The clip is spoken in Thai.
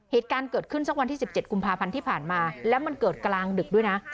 เหตุการณ์เกิดขึ้นสักวันที่๑๗กุมภาพันธ์ที่ผ่านมาแล้วมันเกิดกลางดึกด้วยนะ